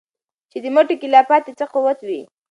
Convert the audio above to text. چي دي مټو كي لا پاته څه قوت وي